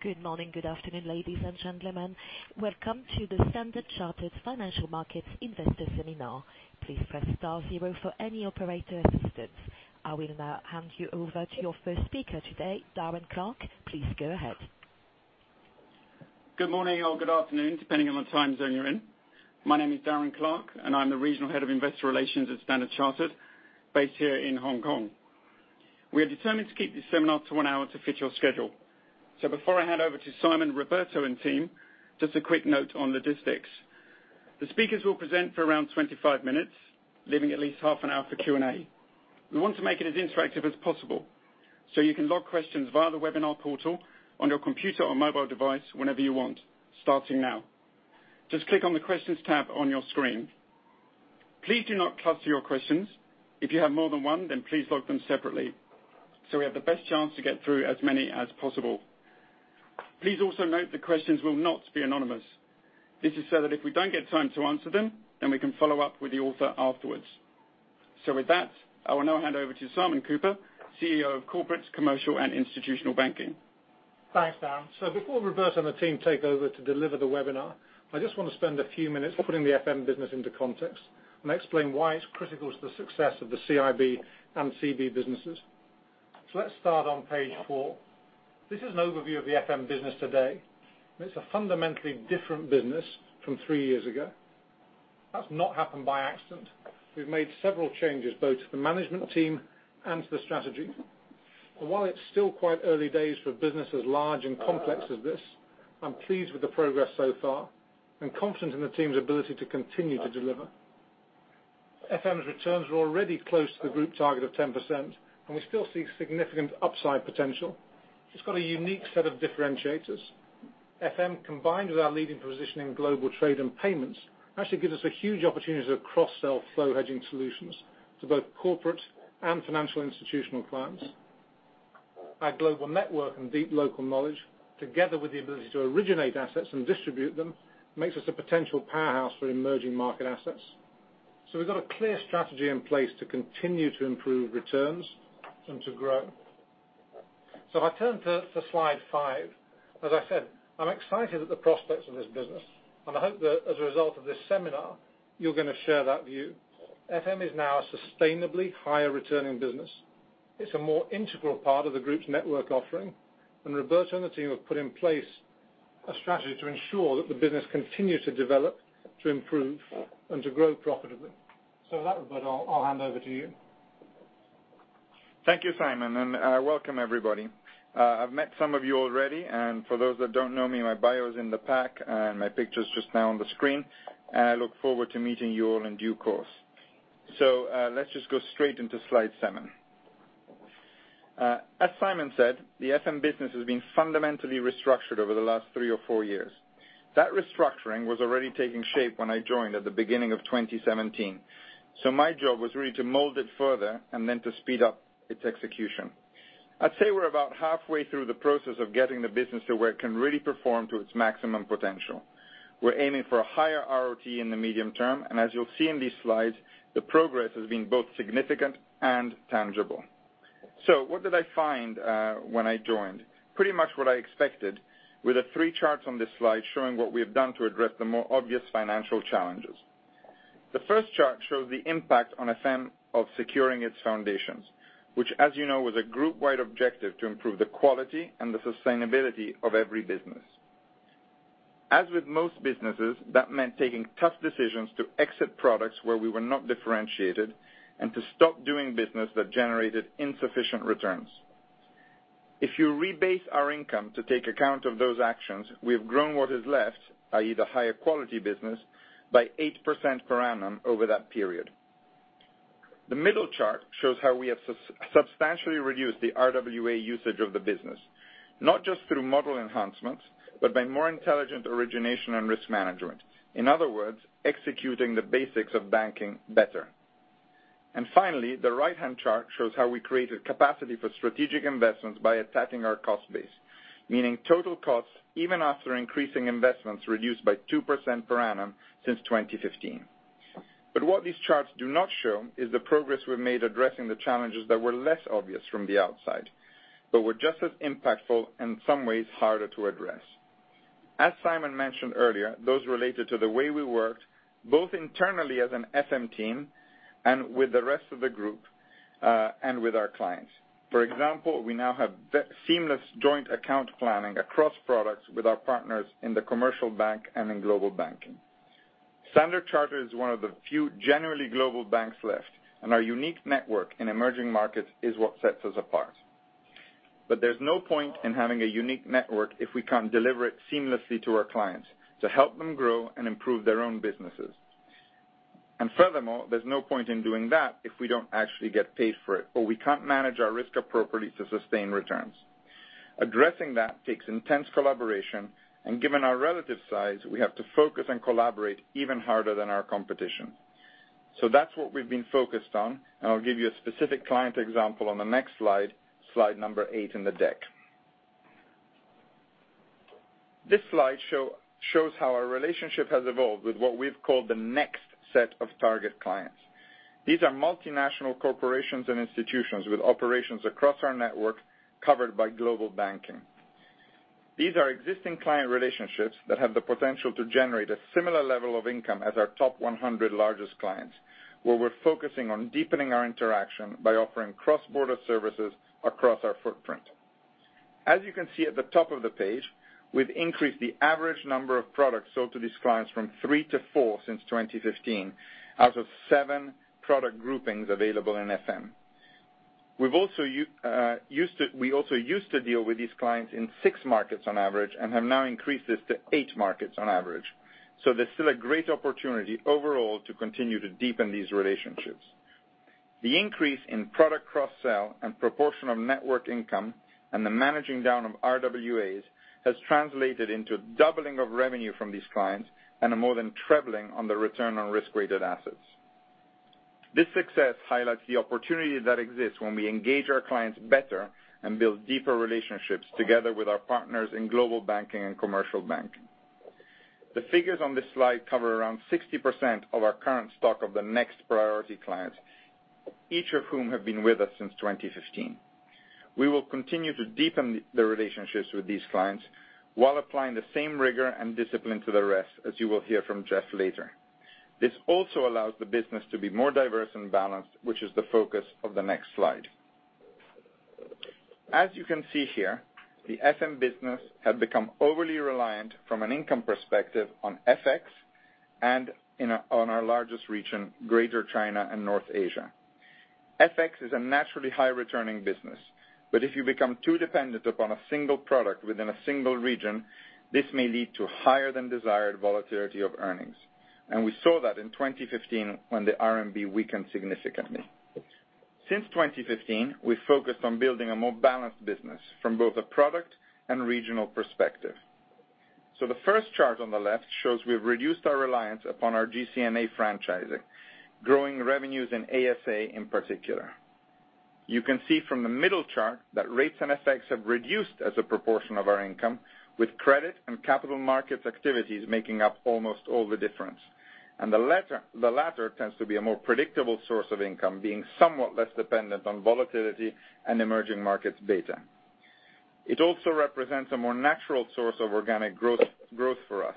Good morning, good afternoon, ladies and gentlemen. Welcome to the Standard Chartered Financial Markets investor seminar. Please press star zero for any operator assistance. I will now hand you over to your first speaker today, Darren Clark. Please go ahead. Good morning or good afternoon, depending on the time zone you're in. My name is Darren Clark, and I am the Regional Head of Investor Relations at Standard Chartered, based here in Hong Kong. We are determined to keep this seminar to one hour to fit your schedule. Before I hand over to Simon, Roberto, and team, just a quick note on logistics. The speakers will present for around 25 minutes, leaving at least half an hour for Q&A. We want to make it as interactive as possible, you can log questions via the webinar portal on your computer or mobile device whenever you want, starting now. Just click on the Questions tab on your screen. Please do not cluster your questions. If you have more than one, please log them separately so we have the best chance to get through as many as possible. Please also note the questions will not be anonymous. This is so that if we don't get time to answer them, we can follow up with the author afterwards. With that, I will now hand over to Simon Cooper, CEO of Corporate, Commercial, and Institutional Banking. Thanks, Darren. Before Roberto and the team take over to deliver the webinar, I just want to spend a few minutes putting the FM business into context and explain why it's critical to the success of the CIB and CB businesses. Let's start on page four. This is an overview of the FM business today, and it's a fundamentally different business from three years ago. That's not happened by accident. We've made several changes, both to the management team and to the strategy. While it's still quite early days for a business as large and complex as this, I am pleased with the progress so far and confident in the team's ability to continue to deliver. FM's returns are already close to the group target of 10%, and we still see significant upside potential. It's got a unique set of differentiators. FM, combined with our leading position in global trade and payments, actually gives us a huge opportunity to cross-sell flow hedging solutions to both corporate and financial institutional clients. Our global network and deep local knowledge, together with the ability to originate assets and distribute them, makes us a potential powerhouse for emerging market assets. We've got a clear strategy in place to continue to improve returns and to grow. If I turn to slide five, as I said, I'm excited at the prospects of this business, and I hope that as a result of this seminar, you're going to share that view. FM is now a sustainably higher returning business. It's a more integral part of the group's network offering, and Roberto and the team have put in place a strategy to ensure that the business continues to develop, to improve, and to grow profitably. With that, Roberto, I'll hand over to you. Thank you, Simon, and welcome everybody. I've met some of you already, and for those that don't know me, my bio is in the pack and my picture's just now on the screen. I look forward to meeting you all in due course. Let's just go straight into slide seven. As Simon said, the FM business has been fundamentally restructured over the last three or four years. That restructuring was already taking shape when I joined at the beginning of 2017. My job was really to mold it further and then to speed up its execution. I'd say we're about halfway through the process of getting the business to where it can really perform to its maximum potential. We're aiming for a higher RoTE in the medium term, and as you'll see in these slides, the progress has been both significant and tangible. What did I find when I joined? Pretty much what I expected, with the three charts on this slide showing what we have done to address the more obvious financial challenges. The first chart shows the impact on FM of securing its foundations, which as you know, was a group-wide objective to improve the quality and the sustainability of every business. As with most businesses, that meant taking tough decisions to exit products where we were not differentiated and to stop doing business that generated insufficient returns. If you rebase our income to take account of those actions, we have grown what is left, i.e. the higher quality business, by 8% per annum over that period. The middle chart shows how we have substantially reduced the RWA usage of the business, not just through model enhancements, but by more intelligent origination and risk management. In other words, executing the basics of banking better. Finally, the right-hand chart shows how we created capacity for strategic investments by attacking our cost base, meaning total costs, even after increasing investments, reduced by 2% per annum since 2015. What these charts do not show is the progress we've made addressing the challenges that were less obvious from the outside but were just as impactful and in some ways harder to address. As Simon mentioned earlier, those related to the way we worked, both internally as an FM team and with the rest of the group, and with our clients. For example, we now have seamless joint account planning across products with our partners in the Commercial Bank and in Global Banking. Standard Chartered is one of the few generally global banks left, and our unique network in emerging markets is what sets us apart. There's no point in having a unique network if we can't deliver it seamlessly to our clients to help them grow and improve their own businesses. Furthermore, there's no point in doing that if we don't actually get paid for it, or we can't manage our risk appropriately to sustain returns. Addressing that takes intense collaboration, and given our relative size, we have to focus and collaborate even harder than our competition. That's what we've been focused on, and I'll give you a specific client example on the next slide number eight in the deck. This slide shows how our relationship has evolved with what we've called the next set of target clients. These are multinational corporations and institutions with operations across our network covered by Global Banking. These are existing client relationships that have the potential to generate a similar level of income as our top 100 largest clients, where we're focusing on deepening our interaction by offering cross-border services across our footprint. As you can see at the top of the page, we've increased the average number of products sold to these clients from three to four since 2015, out of seven product groupings available in FM. We also used to deal with these clients in six markets on average and have now increased this to eight markets on average. There's still a great opportunity overall to continue to deepen these relationships. The increase in product cross-sell and proportion of network income and the managing down of RWAs has translated into doubling of revenue from these clients and are more than trebling on the return on risk-weighted assets. This success highlights the opportunity that exists when we engage our clients better and build deeper relationships together with our partners in Global Banking and Commercial Banking. The figures on this slide cover around 60% of our current stock of the next priority clients, each of whom have been with us since 2015. We will continue to deepen the relationships with these clients while applying the same rigor and discipline to the rest, as you will hear from Jeff later. This also allows the business to be more diverse and balanced, which is the focus of the next slide. As you can see here, the FM business had become overly reliant from an income perspective on FX and on our largest region, Greater China and North Asia. FX is a naturally high-returning business. If you become too dependent upon a single product within a single region, this may lead to higher than desired volatility of earnings. We saw that in 2015 when the RMB weakened significantly. Since 2015, we focused on building a more balanced business from both a product and regional perspective. The first chart on the left shows we've reduced our reliance upon our GCNA franchising, growing revenues in ASA in particular. You can see from the middle chart that rates and FX have reduced as a proportion of our income, with credit and capital markets activities making up almost all the difference. The latter tends to be a more predictable source of income, being somewhat less dependent on volatility and emerging markets data. It also represents a more natural source of organic growth for us,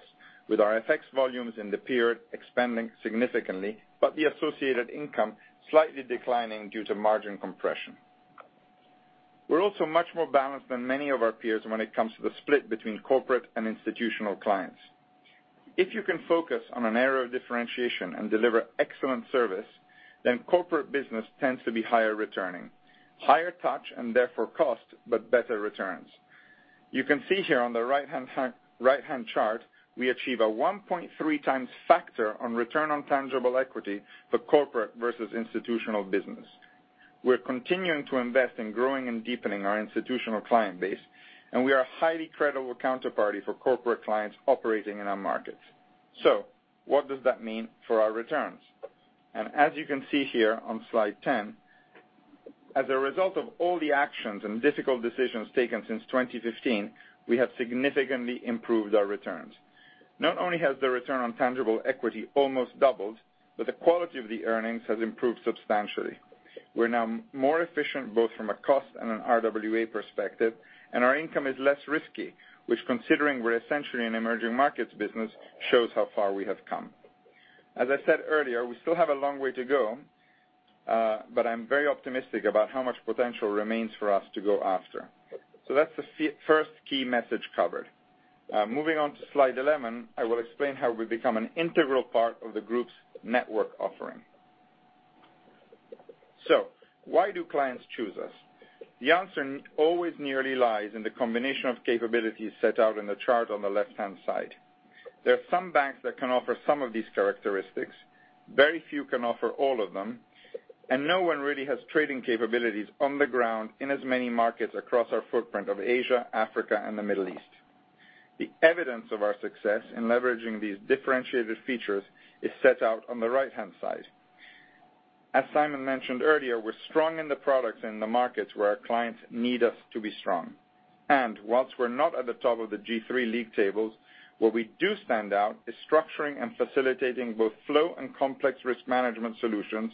with our FX volumes in the period expanding significantly, but the associated income slightly declining due to margin compression. We're also much more balanced than many of our peers when it comes to the split between corporate and institutional clients. If you can focus on an area of differentiation and deliver excellent service, then corporate business tends to be higher returning. Higher touch and therefore cost, but better returns. You can see here on the right-hand chart, we achieve a 1.3x factor on return on tangible equity for corporate versus institutional business. We are continuing to invest in growing and deepening our institutional client base, and we are a highly credible counterparty for corporate clients operating in our markets. What does that mean for our returns? As you can see here on slide 10, as a result of all the actions and difficult decisions taken since 2015, we have significantly improved our returns. Not only has the return on tangible equity almost doubled, but the quality of the earnings has improved substantially. We are now more efficient, both from a cost and an RWA perspective, and our income is less risky, which considering we are essentially an emerging markets business, shows how far we have come. As I said earlier, we still have a long way to go, but I'm very optimistic about how much potential remains for us to go after. That's the first key message covered. Moving on to slide 11, I will explain how we become an integral part of the group's network offering. Why do clients choose us? The answer always nearly lies in the combination of capabilities set out in the chart on the left-hand side. There are some banks that can offer some of these characteristics. Very few can offer all of them, and no one really has trading capabilities on the ground in as many markets across our footprint of Asia, Africa, and the Middle East. The evidence of our success in leveraging these differentiated features is set out on the right-hand side. As Simon mentioned earlier, we're strong in the products and the markets where our clients need us to be strong. Whilst we are not at the top of the G3 league tables, where we do stand out is structuring and facilitating both flow and complex risk management solutions,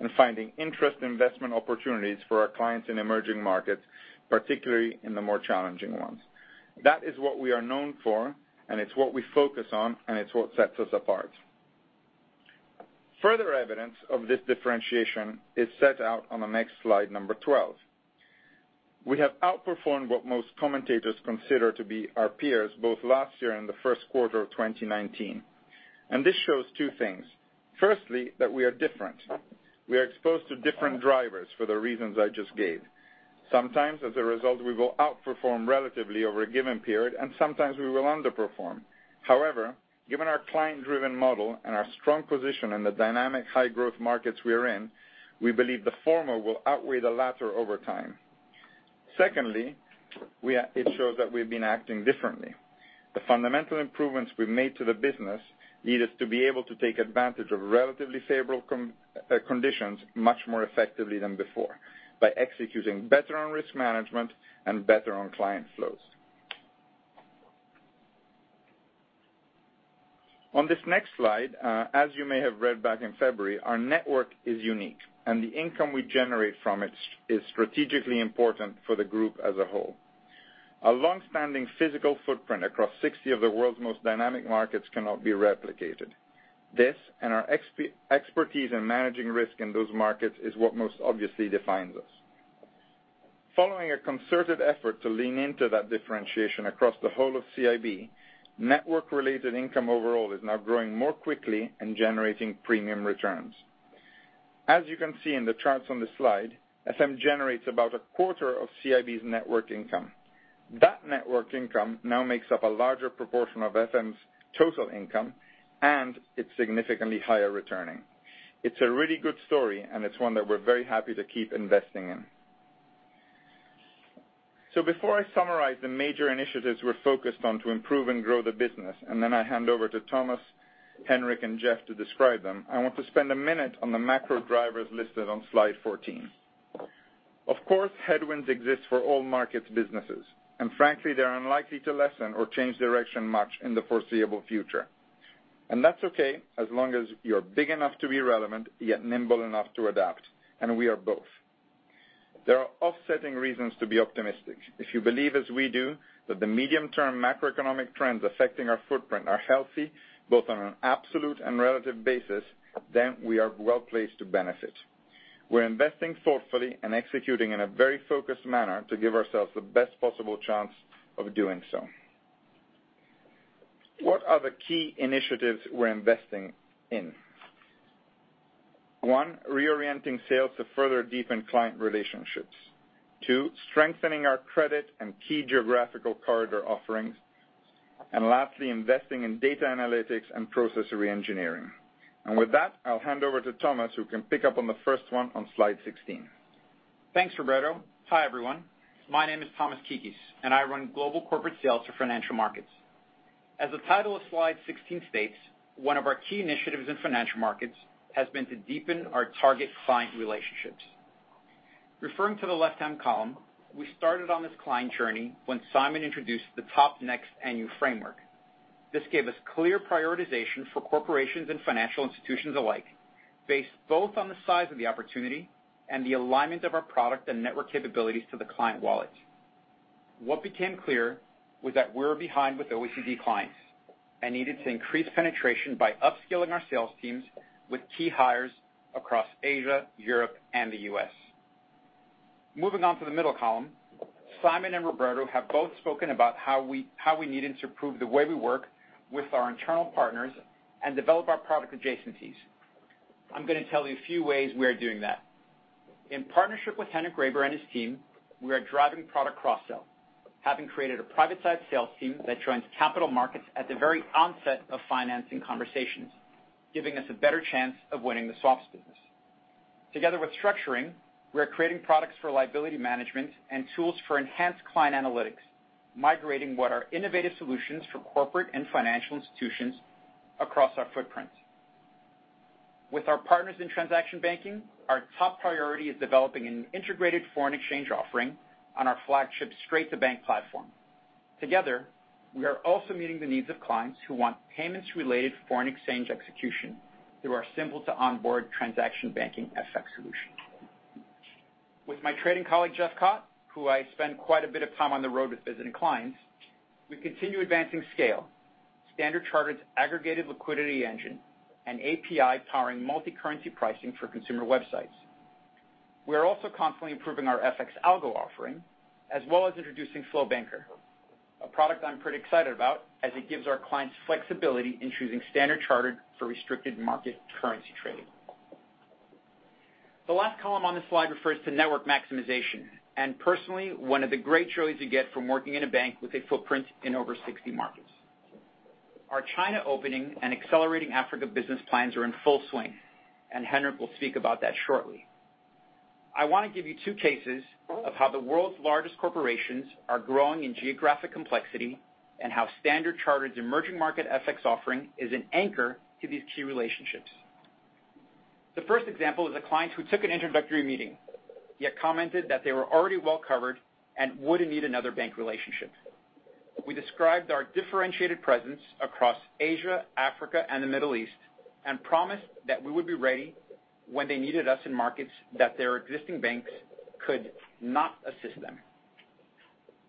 and finding interest investment opportunities for our clients in emerging markets, particularly in the more challenging ones. That is what we are known for, and it's what we focus on, and it's what sets us apart. Further evidence of this differentiation is set out on the next slide, number 12. We have outperformed what most commentators consider to be our peers, both last year and the first quarter of 2019. This shows two things. Firstly, that we are different. We are exposed to different drivers for the reasons I just gave. Sometimes, as a result, we will outperform relatively over a given period, and sometimes we will underperform. However, given our client-driven model and our strong position in the dynamic high-growth markets we are in, we believe the former will outweigh the latter over time. Secondly, it shows that we've been acting differently. The fundamental improvements we've made to the business lead us to be able to take advantage of relatively favorable conditions much more effectively than before, by executing better on risk management and better on client flows. On this next slide, as you may have read back in February, our network is unique, and the income we generate from it is strategically important for the group as a whole. A longstanding physical footprint across 60 of the world's most dynamic markets cannot be replicated. This, and our expertise in managing risk in those markets, is what most obviously defines us. Following a concerted effort to lean into that differentiation across the whole of CIB, network-related income overall is now growing more quickly and generating premium returns. As you can see in the charts on the slide, FM generates about a quarter of CIB's network income. That network income now makes up a larger proportion of FM's total income, and it's significantly higher returning. It's a really good story, and it's one that we're very happy to keep investing in. Before I summarize the major initiatives we're focused on to improve and grow the business, then I hand over to Thomas, Henrik, and Jeff to describe them, I want to spend a minute on the macro drivers listed on slide 14. Of course, headwinds exist for all markets businesses, and frankly, they're unlikely to lessen or change direction much in the foreseeable future. That's okay as long as you're big enough to be relevant, yet nimble enough to adapt. We are both. There are offsetting reasons to be optimistic. If you believe, as we do, that the medium-term macroeconomic trends affecting our footprint are healthy, both on an absolute and relative basis, then we are well-placed to benefit. We're investing thoughtfully and executing in a very focused manner to give ourselves the best possible chance of doing so. What are the key initiatives we're investing in? One, reorienting sales to further deepen client relationships. Two, strengthening our credit and key geographical corridor offerings. Lastly, investing in data analytics and process re-engineering. With that, I'll hand over to Thomas, who can pick up on the first one on slide 16. Thanks, Roberto. Hi, everyone. My name is Thomas Kikis, and I run Global Corporate Sales for Financial Markets. As the title of slide 16 states, one of our key initiatives in financial markets has been to deepen our target client relationships. Referring to the left-hand column, we started on this client journey when Simon introduced the top/next annual framework. This gave us clear prioritization for corporations and financial institutions alike, based both on the size of the opportunity and the alignment of our product and network capabilities to the client wallet. What became clear was that we're behind with OECD clients and needed to increase penetration by upskilling our sales teams with key hires across Asia, Europe, and the U.S. Moving on to the middle column, Simon and Roberto have both spoken about how we needed to improve the way we work with our internal partners and develop our product adjacencies. I'm going to tell you a few ways we are doing that. In partnership with Henrik Graver and his team, we are driving product cross-sell, having created a private side sales team that joins capital markets at the very onset of financing conversations, giving us a better chance of winning the SOFS business. Together with structuring, we are creating products for liability management and tools for enhanced client analytics, migrating what are innovative solutions for corporate and financial institutions across our footprint. With our partners in transaction banking, our top priority is developing an integrated foreign exchange offering on our flagship Straight2Bank platform. Together, we are also meeting the needs of clients who want payments-related foreign exchange execution through our simple-to-onboard transaction banking FX solution. With my trading colleague, Jeff Carr, who I spend quite a bit of time on the road with visiting clients, we continue advancing SCALE. Standard Chartered's aggregated liquidity engine and API powering multicurrency pricing for consumer websites. We are also constantly improving our FX algo offering, as well as introducing Flow Banker, a product I'm pretty excited about, as it gives our clients flexibility in choosing Standard Chartered for restricted market currency trading. The last column on this slide refers to network maximization, and personally, one of the great joys you get from working in a bank with a footprint in over 60 markets. Our China opening and accelerating Africa business plans are in full swing, and Henrik will speak about that shortly. I want to give you two cases of how the world's largest corporations are growing in geographic complexity, and how Standard Chartered's emerging market FX offering is an anchor to these key relationships. The first example is a client who took an introductory meeting, yet commented that they were already well covered and wouldn't need another bank relationship. We described our differentiated presence across Asia, Africa, and the Middle East, and promised that we would be ready when they needed us in markets that their existing banks could not assist them.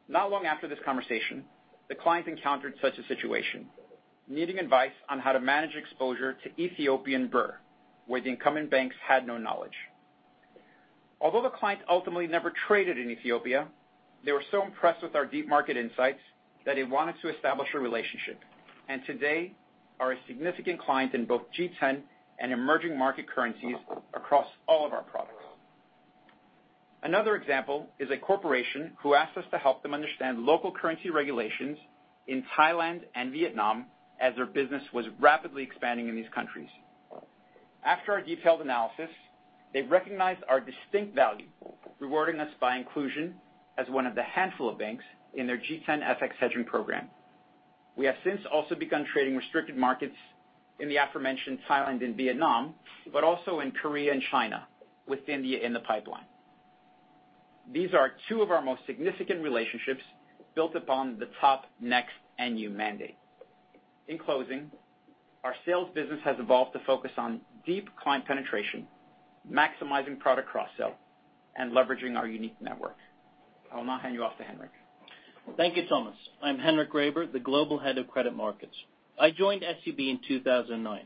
Not long after this conversation, the client encountered such a situation, needing advice on how to manage exposure to Ethiopian birr, where the incumbent banks had no knowledge. Although the client ultimately never traded in Ethiopia, they were so impressed with our deep market insights that they wanted to establish a relationship, and today are a significant client in both G10 and emerging market currencies across all of our products. Another example is a corporation who asked us to help them understand local currency regulations in Thailand and Vietnam as their business was rapidly expanding in these countries. After our detailed analysis, they recognized our distinct value, rewarding us by inclusion as one of the handful of banks in their G10 FX hedging program. We have since also begun trading restricted markets in the aforementioned Thailand and Vietnam, but also in Korea and China, with India in the pipeline. These are two of our most significant relationships built upon the top next NU mandate. In closing, our sales business has evolved to focus on deep client penetration, maximizing product cross-sell, and leveraging our unique network. I'll now hand you off to Henrik. Thank you, Thomas. I'm Henrik Graver, the Global Head of Credit Markets. I joined SCB in 2009.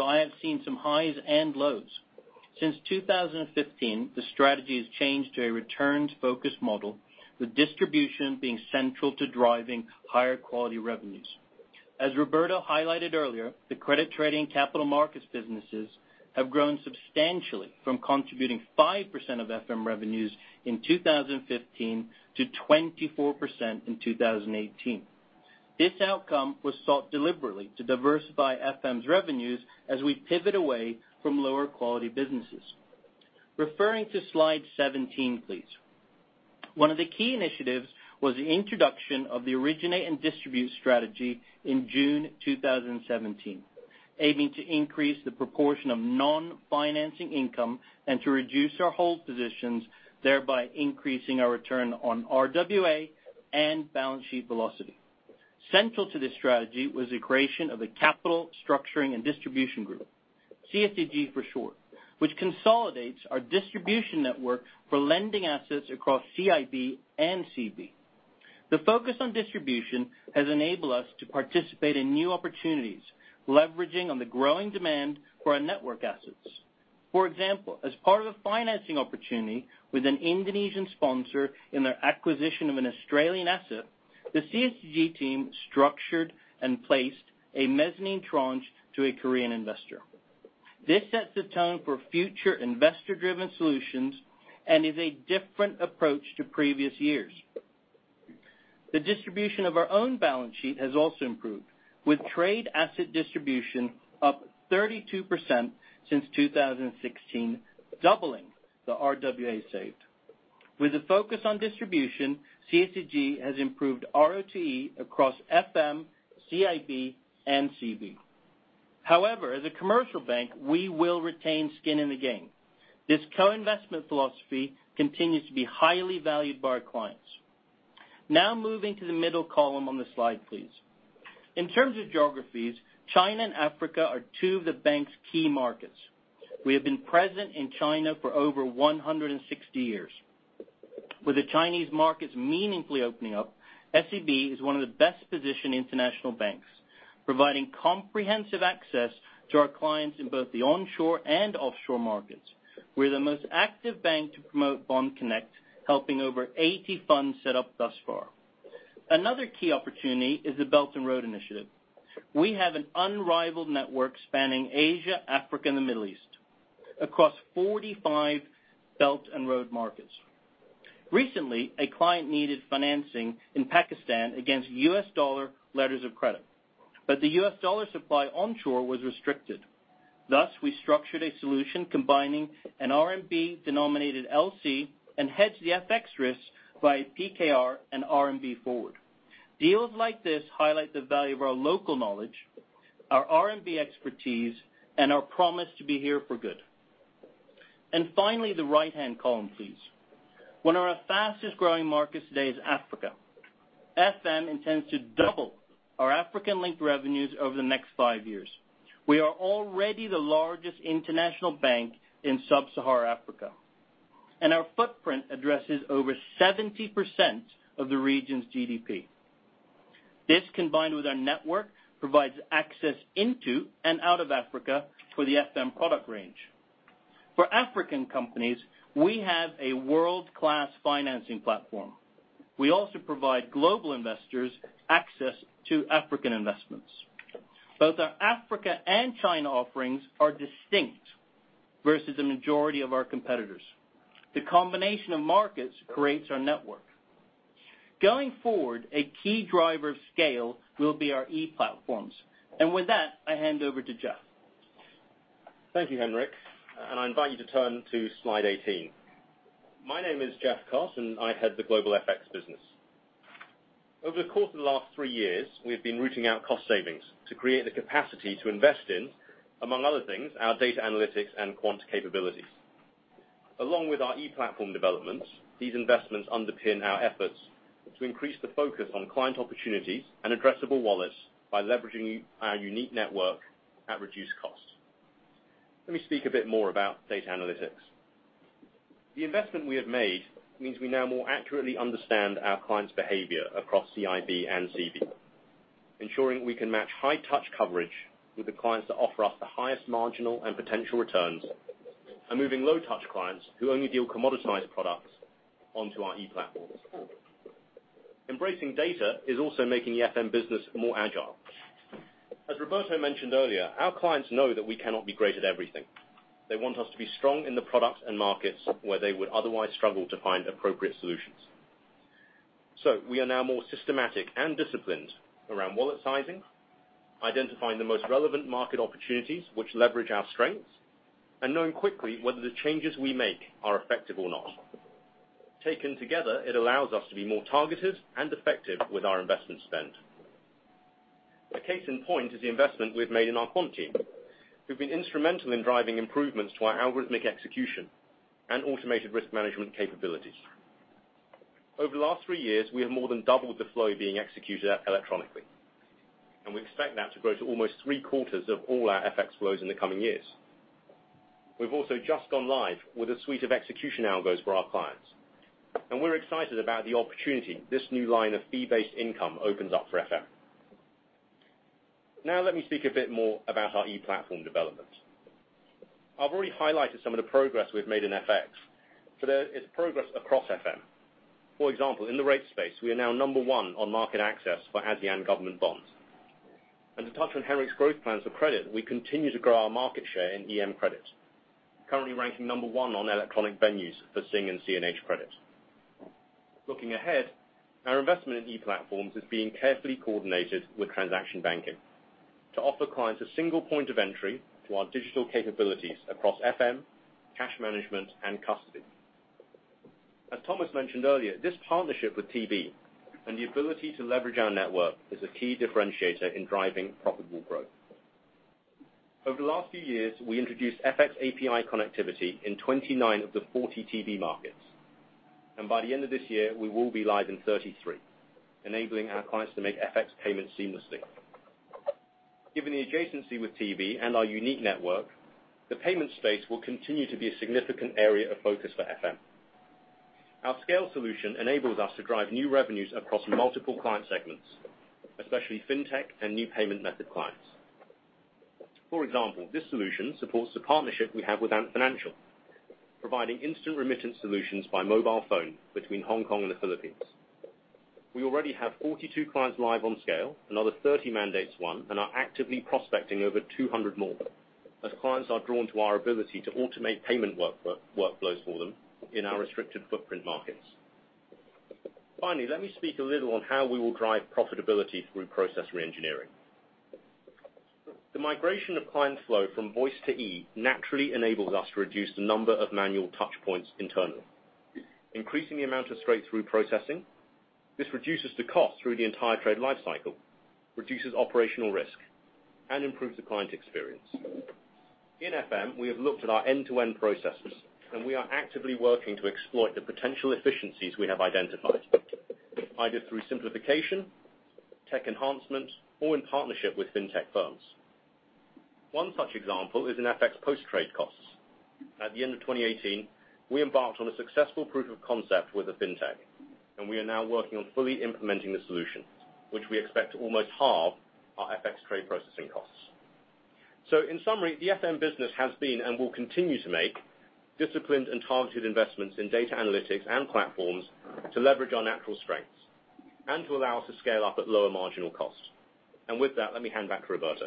I have seen some highs and lows. Since 2015, the strategy has changed to a returns-focused model, with distribution being central to driving higher quality revenues. As Roberto highlighted earlier, the credit trading capital markets businesses have grown substantially from contributing 5% of FM revenues in 2015 to 24% in 2018. This outcome was sought deliberately to diversify FM's revenues as we pivot away from lower quality businesses. Referring to slide 17, please. One of the key initiatives was the introduction of the originate and distribute strategy in June 2017, aiming to increase the proportion of non-financing income and to reduce our hold positions, thereby increasing our return on RWA and balance sheet velocity. Central to this strategy was the creation of a capital structuring and distribution group, CSDG for short, which consolidates our distribution network for lending assets across CIB and CB. The focus on distribution has enabled us to participate in new opportunities, leveraging on the growing demand for our network assets. For example, as part of a financing opportunity with an Indonesian sponsor in their acquisition of an Australian asset, the CSDG team structured and placed a mezzanine tranche to a Korean investor. This sets the tone for future investor-driven solutions and is a different approach to previous years. The distribution of our own balance sheet has also improved, with trade asset distribution up 32% since 2016, doubling the RWA saved. With the focus on distribution, CSDG has improved ROTE across FM, CIB and CB. As a commercial bank, we will retain skin in the game. This co-investment philosophy continues to be highly valued by our clients. Moving to the middle column on the slide, please. In terms of geographies, China and Africa are two of the bank's key markets. We have been present in China for over 160 years. With the Chinese markets meaningfully opening up, SCB is one of the best-positioned international banks, providing comprehensive access to our clients in both the onshore and offshore markets. We're the most active bank to promote Bond Connect, helping over 80 funds set up thus far. Another key opportunity is the Belt and Road Initiative. We have an unrivaled network spanning Asia, Africa, and the Middle East across 45 Belt and Road markets. Recently, a client needed financing in Pakistan against US dollar letters of credit. The US dollar supply onshore was restricted. We structured a solution combining an RMB-denominated LC and hedged the FX risk by PKR and RMB forward. Deals like this highlight the value of our local knowledge, our RMB expertise, and our promise to be here for good. Finally, the right-hand column, please. One of our fastest-growing markets today is Africa. FM intends to double our African-linked revenues over the next five years. We are already the largest international bank in sub-Saharan Africa, and our footprint addresses over 70% of the region's GDP. This, combined with our network, provides access into and out of Africa for the FM product range. For African companies, we have a world-class financing platform. We also provide global investors access to African investments. Both our Africa and China offerings are distinct versus the majority of our competitors. The combination of markets creates our network. Going forward, a key driver of scale will be our e-platforms. With that, I hand over to Jeff. Thank you, Henrik. I invite you to turn to slide 18. My name is Jeff Carr, I head the global FX business. Over the course of the last three years, we've been rooting out cost savings to create the capacity to invest in, among other things, our data analytics and quant capabilities. Along with our e-platform developments, these investments underpin our efforts to increase the focus on client opportunities and addressable wallets by leveraging our unique network at reduced cost. Let me speak a bit more about data analytics. The investment we have made means we now more accurately understand our clients' behavior across CIB and CB, ensuring we can match high-touch coverage with the clients that offer us the highest marginal and potential returns, and moving low-touch clients who only deal commoditized products onto our e-platforms. Embracing data is also making the FM business more agile. As Roberto mentioned earlier, our clients know that we cannot be great at everything. They want us to be strong in the products and markets where they would otherwise struggle to find appropriate solutions. We are now more systematic and disciplined around wallet sizing, identifying the most relevant market opportunities which leverage our strengths, and knowing quickly whether the changes we make are effective or not. Taken together, it allows us to be more targeted and effective with our investment spend. A case in point is the investment we've made in our quant team, who've been instrumental in driving improvements to our algorithmic execution and automated risk management capabilities. Over the last 3 years, we have more than doubled the flow being executed electronically, and we expect that to grow to almost 3-quarters of all our FX flows in the coming years. We've also just gone live with a suite of execution algos for our clients, and we're excited about the opportunity this new line of fee-based income opens up for FM. Let me speak a bit more about our e-platform development. I've already highlighted some of the progress we've made in FX. Today, it's progress across FM. For example, in the rate space, we are now number 1 on MarketAxess for ASEAN government bonds. To touch on Henrik's growth plans for credit, we continue to grow our market share in EM credit, currently ranking number 1 on electronic venues for SGD and CNH credit. Looking ahead, our investment in e-platforms is being carefully coordinated with transaction banking to offer clients a single point of entry to our digital capabilities across FM, cash management, and custody. As Thomas mentioned earlier, this partnership with TB and the ability to leverage our network is a key differentiator in driving profitable growth. Over the last few years, we introduced FX API connectivity in 29 of the 40 TB markets, and by the end of this year, we will be live in 33, enabling our clients to make FX payments seamlessly. Given the adjacency with TB and our unique network, the payment space will continue to be a significant area of focus for FM. Our SC ALE solution enables us to drive new revenues across multiple client segments, especially fintech and new payment method clients. For example, this solution supports the partnership we have with Ant Financial, providing instant remittance solutions by mobile phone between Hong Kong and the Philippines. We already have 42 clients live on SC ALE, another 30 mandates won, and are actively prospecting over 200 more as clients are drawn to our ability to automate payment workflows for them in our restricted footprint markets. Let me speak a little on how we will drive profitability through process reengineering. The migration of client flow from voice to e naturally enables us to reduce the number of manual touch points internal, increasing the amount of straight-through processing. This reduces the cost through the entire trade life cycle, reduces operational risk, and improves the client experience. In FM, we have looked at our end-to-end processes, and we are actively working to exploit the potential efficiencies we have identified, either through simplification, tech enhancements, or in partnership with fintech firms. One such example is in FX post-trade costs. At the end of 2018, we embarked on a successful proof of concept with a fintech, we are now working on fully implementing the solution, which we expect to almost halve our FX trade processing costs. In summary, the FM business has been and will continue to make disciplined and targeted investments in data analytics and platforms to leverage our natural strengths and to allow us to scale up at lower marginal cost. With that, let me hand back to Roberto.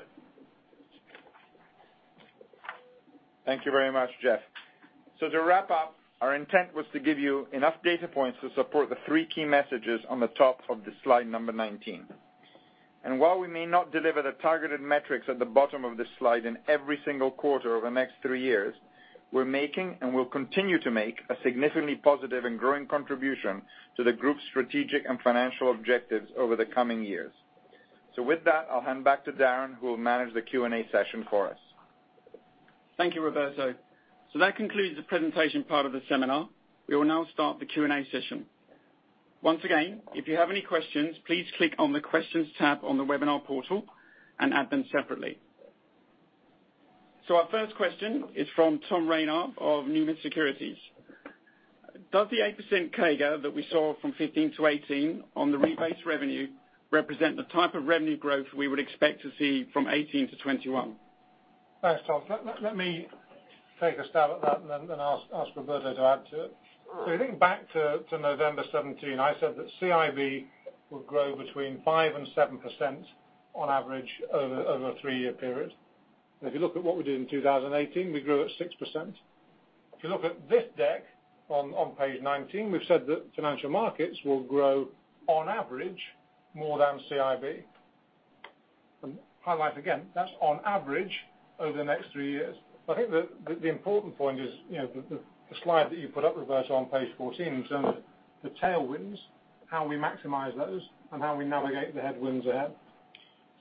Thank you very much, Jeff. To wrap up, our intent was to give you enough data points to support the three key messages on the top of slide number 19. While we may not deliver the targeted metrics at the bottom of this slide in every single quarter over the next three years, we're making and will continue to make a significantly positive and growing contribution to the group's strategic and financial objectives over the coming years. With that, I'll hand back to Darren, who will manage the Q&A session for us. Thank you, Roberto. That concludes the presentation part of the seminar. We will now start the Q&A session. Once again, if you have any questions, please click on the Questions tab on the webinar portal and add them separately. Our first question is from Tom Rayner of Numis Securities. Does the 8% CAGR that we saw from 2015 to 2018 on the rebased revenue represent the type of revenue growth we would expect to see from 2018 to 2021? Thanks, Tom. Let me take a stab at that and then ask Roberto to add to it. I think back to November 2017, I said that CIB would grow between 5% and 7% on average over a three-year period. If you look at what we did in 2018, we grew at 6%. If you look at this deck on page 19, we've said that Financial Markets will grow on average more than CIB. Highlight again, that's on average over the next three years. I think the important point is the slide that you put up, Roberto, on page 14 in terms of the tailwinds, how we maximize those, and how we navigate the headwinds ahead.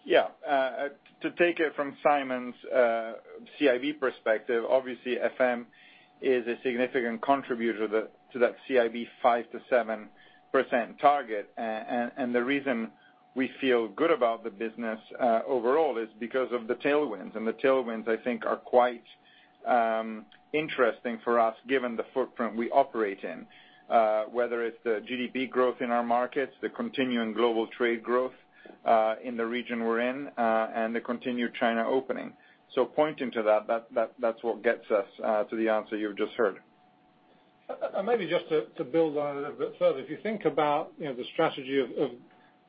Yeah. To take it from Simon's CIB perspective, obviously FM is a significant contributor to that CIB 5%-7% target. The reason we feel good about the business overall is because of the tailwinds. The tailwinds, I think, are quite interesting for us given the footprint we operate in, whether it's the GDP growth in our markets, the continuing global trade growth, in the region we're in, and the continued China opening. Pointing to that's what gets us to the answer you've just heard. Maybe just to build on it a little bit further, if you think about the strategy of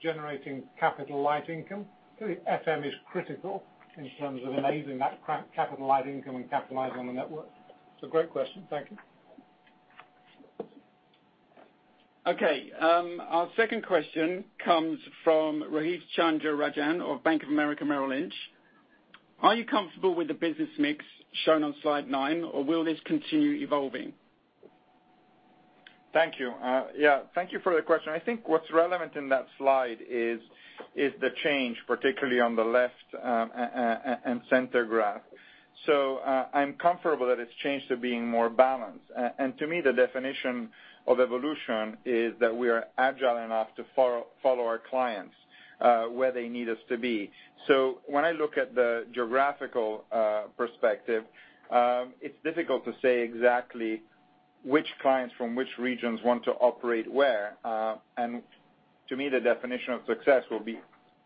generating capital-light income, clearly FM is critical in terms of enabling that capital-light income and capitalizing on the network. It's a great question. Thank you. Okay. Our second question comes from Rohit Chandra-Rajan of Bank of America Merrill Lynch. Are you comfortable with the business mix shown on slide nine, or will this continue evolving? Thank you. Yeah, thank you for the question. I think what's relevant in that slide is the change, particularly on the left and center graph. I'm comfortable that it's changed to being more balanced. To me, the definition of evolution is that we are agile enough to follow our clients where they need us to be. When I look at the geographical perspective, it's difficult to say exactly which clients from which regions want to operate where. To me, the definition of success will be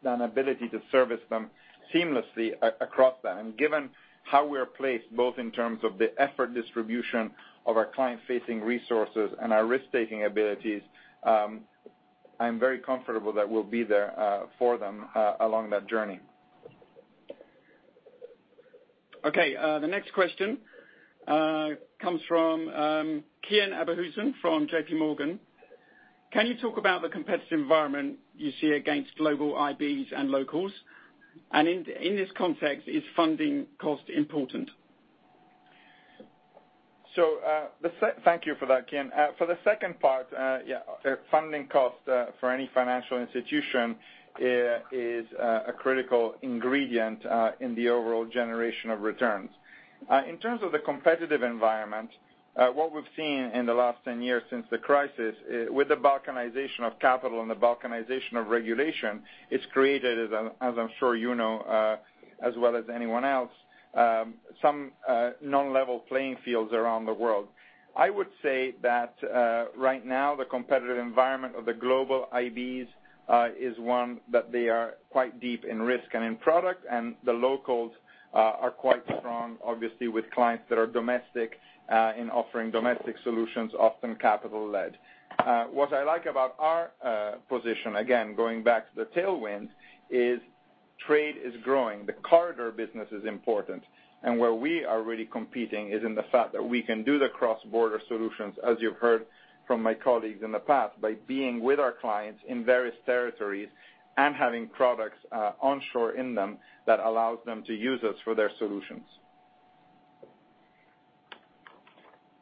an ability to service them seamlessly across that. Given how we're placed, both in terms of the effort distribution of our client-facing resources and our risk-taking abilities, I'm very comfortable that we'll be there for them along that journey. Okay. The next question comes from Kian Abouhossein from JP Morgan. Can you talk about the competitive environment you see against global IBs and locals? In this context, is funding cost important? Thank you for that, Kian. For the second part, yeah, funding cost for any financial institution is a critical ingredient in the overall generation of returns. In terms of the competitive environment, what we've seen in the last 10 years since the crisis, with the balkanization of capital and the balkanization of regulation, it's created, as I'm sure you know as well as anyone else, some non-level playing fields around the world. I would say that right now, the competitive environment of the global IBs is one that they are quite deep in risk and in product, and the locals are quite strong, obviously, with clients that are domestic, in offering domestic solutions, often capital-led. What I like about our position, again, going back to the tailwind, is trade is growing. The corridor business is important, and where we are really competing is in the fact that we can do the cross-border solutions, as you've heard from my colleagues in the past, by being with our clients in various territories and having products onshore in them that allows them to use us for their solutions.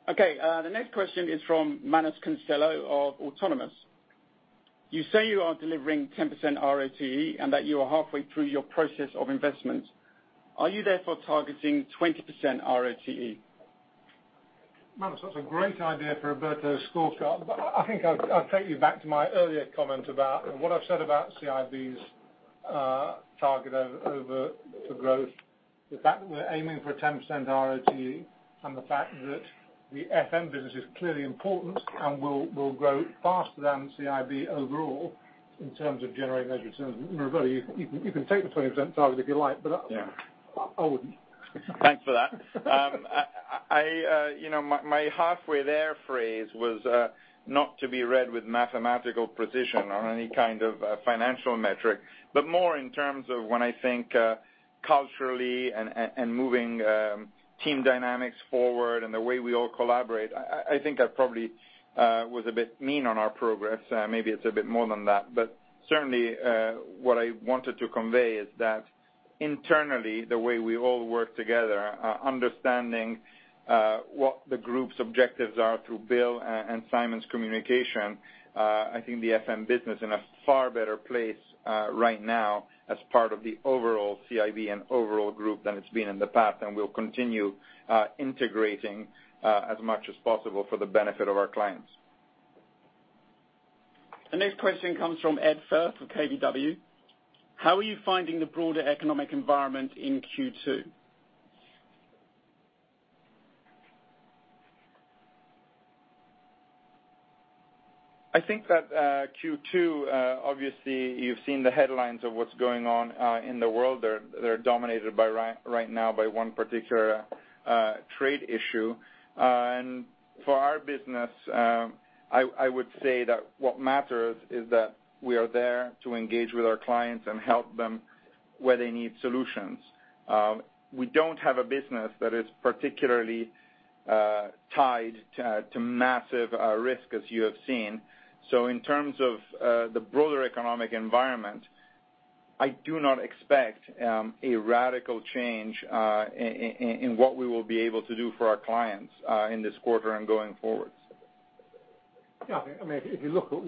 Okay. The next question is from Manus Costello of Autonomous. You say you are delivering 10% RoTE, and that you are halfway through your process of investment. Are you therefore targeting 20% RoTE? Manus, that's a great idea for Roberto's scorecard. I think I'll take you back to my earlier comment about what I've said about CIB's target over for growth. The fact that we're aiming for a 10% RoTE and the fact that the FM business is clearly important and will grow faster than CIB overall in terms of generating those returns. Roberto, you can take the 20% target if you like. Yeah I wouldn't. Thanks for that. My halfway there phrase was not to be read with mathematical precision on any kind of financial metric, but more in terms of when I think culturally and moving team dynamics forward and the way we all collaborate. I think I probably was a bit mean on our progress. Maybe it's a bit more than that. Certainly what I wanted to convey is that internally, the way we all work together, understanding what the group's objectives are through Bill and Simon's communication, I think the FM business is in a far better place right now as part of the overall CIB and overall group than it's been in the past, and we'll continue integrating as much as possible for the benefit of our clients. The next question comes from Ed Firth of KBW. How are you finding the broader economic environment in Q2? I think that Q2, obviously you've seen the headlines of what's going on in the world. They're dominated right now by one particular trade issue. For our business, I would say that what matters is that we are there to engage with our clients and help them where they need solutions. We don't have a business that is particularly tied to massive risk as you have seen. In terms of the broader economic environment, I do not expect a radical change in what we will be able to do for our clients in this quarter and going forward. Yeah, if you look at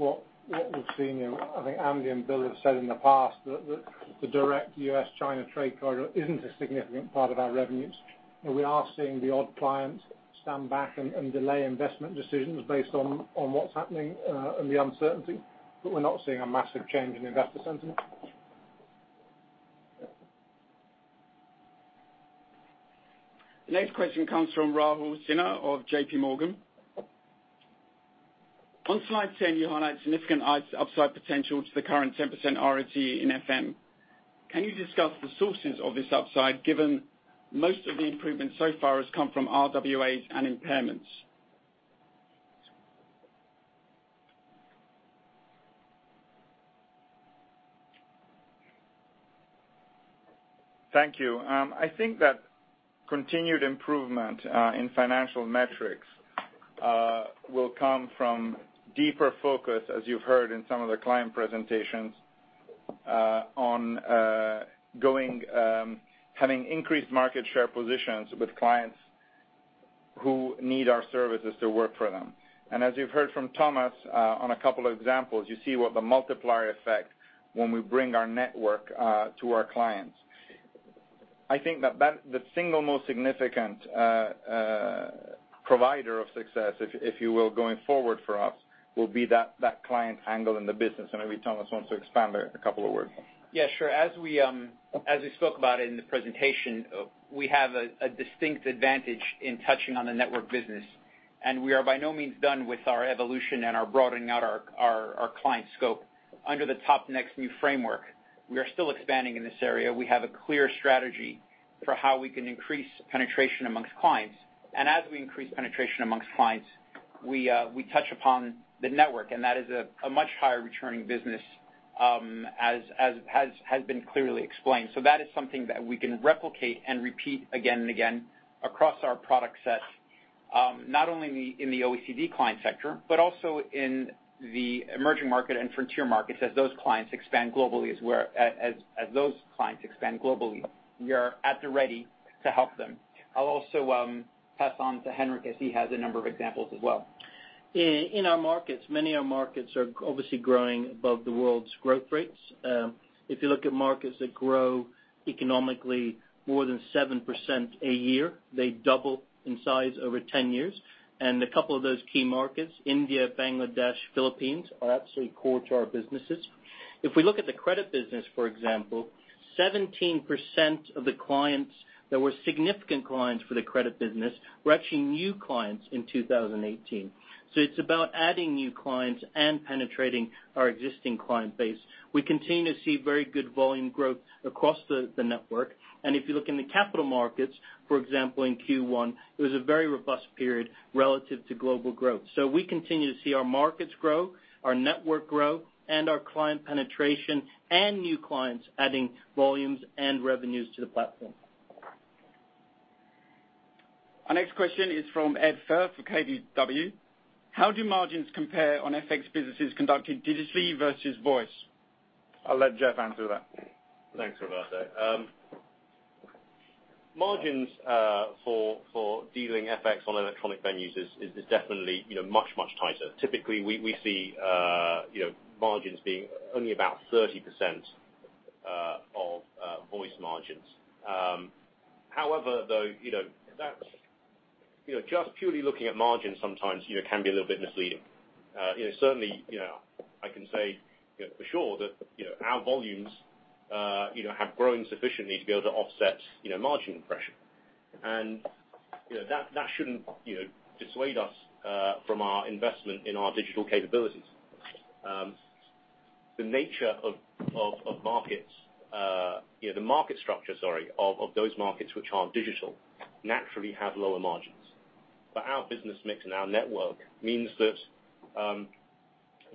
what we've seen, I think Andy and Bill have said in the past that the direct U.S.-China trade corridor isn't a significant part of our revenues. We are seeing the odd client stand back and delay investment decisions based on what's happening and the uncertainty. We're not seeing a massive change in investor sentiment. The next question comes from Rahul Sinha of J.P. Morgan. On slide 10, you highlight significant upside potential to the current 10% RoTE in FM. Can you discuss the sources of this upside, given most of the improvement so far has come from RWAs and impairments? Thank you. I think that continued improvement in financial metrics will come from deeper focus, as you've heard in some of the client presentations on having increased market share positions with clients who need our services to work for them. As you've heard from Thomas, on a couple of examples, you see what the multiplier effect when we bring our network to our clients. I think that the single most significant provider of success, if you will, going forward for us, will be that client angle in the business. Maybe Thomas wants to expand a couple of words. Yeah, sure. As we spoke about it in the presentation, we have a distinct advantage in touching on the network business, and we are by no means done with our evolution and are broadening out our client scope. Under the top next NU framework, we are still expanding in this area. We have a clear strategy for how we can increase penetration amongst clients. As we increase penetration amongst clients, we touch upon the network, and that is a much higher returning business, as has been clearly explained. That is something that we can replicate and repeat again and again across our product set, not only in the OECD client sector, but also in the emerging market and frontier markets as those clients expand globally. We are at the ready to help them. I'll also pass on to Henrik, as he has a number of examples as well. In our markets, many of our markets are obviously growing above the world's growth rates. If you look at markets that grow economically more than 7% a year, they double in size over 10 years. A couple of those key markets, India, Bangladesh, Philippines, are absolutely core to our businesses. If we look at the credit business, for example, 17% of the clients that were significant clients for the credit business were actually new clients in 2018. It's about adding new clients and penetrating our existing client base. We continue to see very good volume growth across the network. If you look in the capital markets, for example, in Q1, it was a very robust period relative to global growth. We continue to see our markets grow, our network grow, and our client penetration and new clients adding volumes and revenues to the platform. Our next question is from Ed Firth for KBW. How do margins compare on FX businesses conducted digitally versus voice? I'll let Jeff answer that. Thanks, Roberto. Margins for dealing FX on electronic venues is definitely much, much tighter. Typically, we see margins being only about 30% of voice margins. However, though, just purely looking at margins sometimes can be a little bit misleading. Certainly, I can say for sure that our volumes have grown sufficiently to be able to offset margin pressure. That shouldn't dissuade us from our investment in our digital capabilities. The nature of markets, the market structure, sorry, of those markets which are digital, naturally have lower margins. Our business mix and our network means that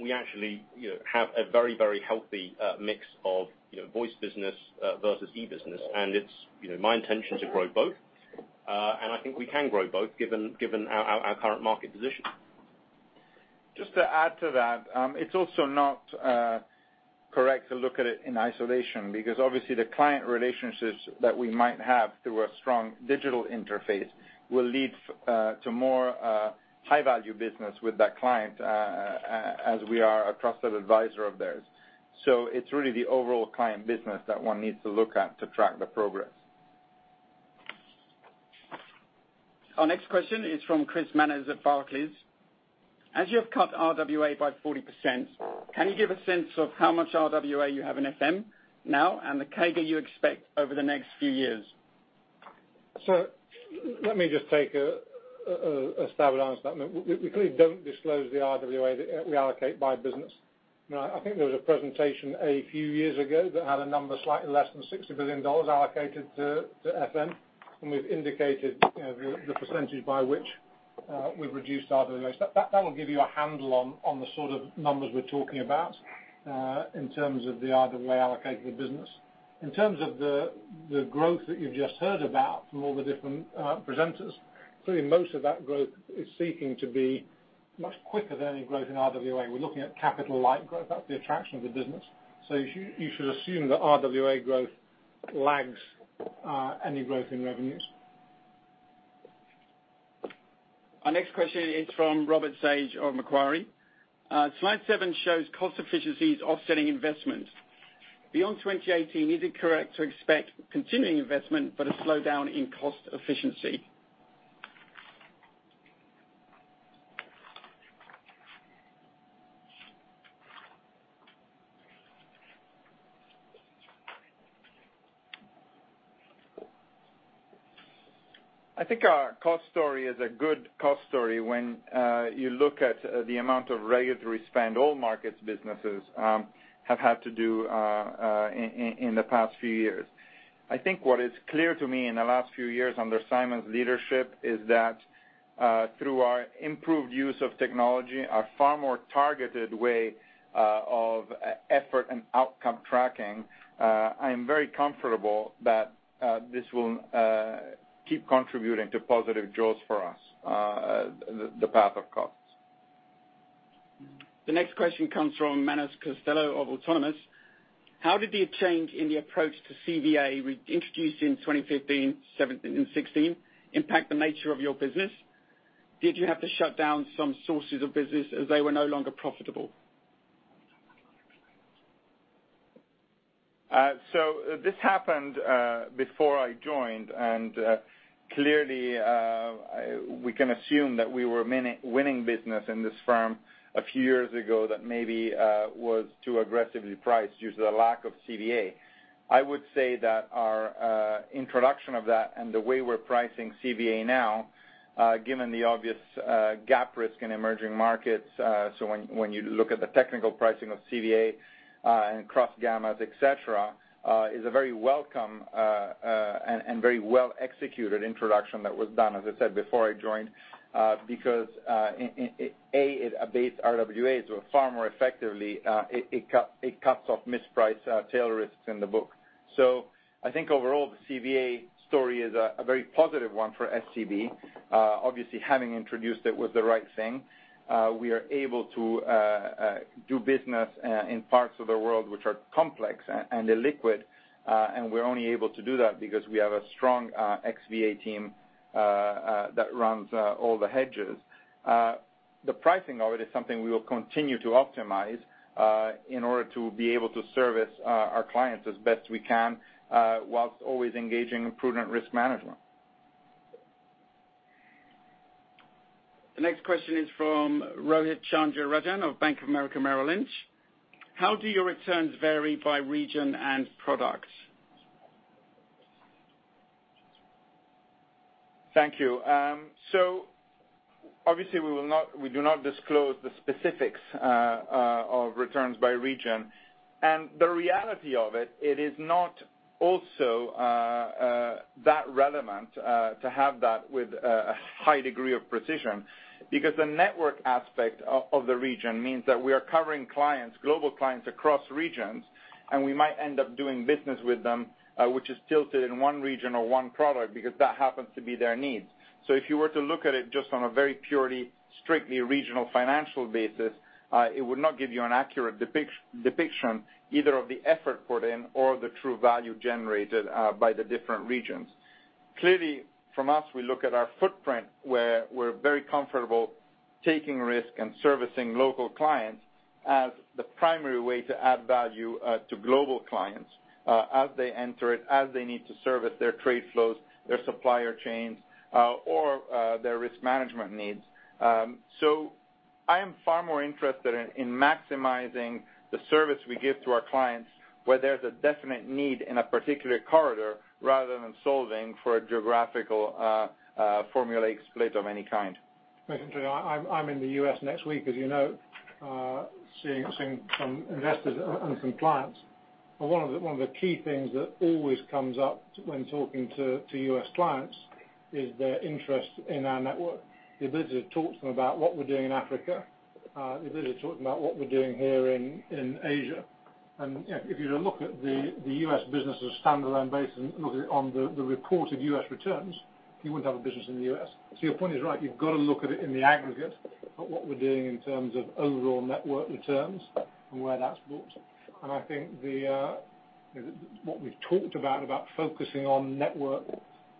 we actually have a very, very healthy mix of voice business versus e-business, and it's my intention to grow both. I think we can grow both given our current market position. Just to add to that, it's also not correct to look at it in isolation because obviously the client relationships that we might have through a strong digital interface will lead to more high-value business with that client as we are a trusted advisor of theirs. It's really the overall client business that one needs to look at to track the progress. Our next question is from Chris Manners at Barclays. As you have cut RWA by 40%, can you give a sense of how much RWA you have in FM now and the CAGR you expect over the next few years? Let me just take a stab at answering that. We clearly don't disclose the RWA that we allocate by business. I think there was a presentation a few years ago that had a number slightly less than GBP 60 billion allocated to FM, and we've indicated the percentage by which we've reduced RWA. That will give you a handle on the sort of numbers we're talking about in terms of the RWA allocated to the business. In terms of the growth that you've just heard about from all the different presenters, clearly most of that growth is seeking to be much quicker than any growth in RWA. We're looking at capital-light growth. That's the attraction of the business. You should assume that RWA growth lags any growth in revenues. Our next question is from Robert Sage of Macquarie. Slide seven shows cost efficiencies offsetting investment. Beyond 2018, is it correct to expect continuing investment but a slowdown in cost efficiency? I think our cost story is a good cost story when you look at the amount of regulatory spend all markets businesses have had to do in the past few years. I think what is clear to me in the last few years under Simon's leadership is that through our improved use of technology, our far more targeted way of effort and outcome tracking, I am very comfortable that this will keep contributing to positive jaws for us, the path of cost. The next question comes from Manus Costello of Autonomous. How did the change in the approach to CVA introduced in 2015 and 2016 impact the nature of your business? Did you have to shut down some sources of business as they were no longer profitable? This happened before I joined, clearly we can assume that we were winning business in this firm a few years ago that maybe was too aggressively priced due to the lack of CVA. I would say that our introduction of that and the way we're pricing CVA now, given the obvious gap risk in emerging markets, when you look at the technical pricing of CVA, and cross gammas, et cetera, is a very welcome, and very well-executed introduction that was done, as I said, before I joined. Because, A, it abates RWAs far more effectively, it cuts off mispriced tail risks in the book. I think overall, the CVA story is a very positive one for SCB. Obviously, having introduced it was the right thing. We are able to do business in parts of the world which are complex and illiquid, we're only able to do that because we have a strong XVA team that runs all the hedges. The pricing of it is something we will continue to optimize in order to be able to service our clients as best we can, whilst always engaging prudent risk management. The next question is from Rohit Chandrarajan of Bank of America Merrill Lynch. How do your returns vary by region and products? Thank you. Obviously we do not disclose the specifics of returns by region. The reality of it is not also that relevant to have that with a high degree of precision, because the network aspect of the region means that we are covering clients, global clients across regions, and we might end up doing business with them which is tilted in one region or one product because that happens to be their needs. If you were to look at it just on a very purely, strictly regional financial basis, it would not give you an accurate depiction, either of the effort put in or the true value generated by the different regions. Clearly from us, we look at our footprint where we're very comfortable taking risk and servicing local clients as the primary way to add value to global clients as they enter it, as they need to service their trade flows, their supplier chains, or their risk management needs. I am far more interested in maximizing the service we give to our clients where there's a definite need in a particular corridor rather than solving for a geographical formulaic split of any kind. I'm in the U.S. next week, as you know, seeing some investors and some clients. One of the key things that always comes up when talking to U.S. clients is their interest in our network. The ability to talk to them about what we're doing in Africa, the ability to talk about what we're doing here in Asia. If you look at the U.S. business as a standalone base and look at it on the reported U.S. returns, you wouldn't have a business in the U.S. Your point is right. You've got to look at it in the aggregate at what we're doing in terms of overall network returns and where that's brought. I think what we've talked about focusing on network,